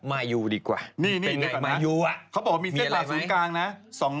เมื่อกี้ฉันเห็น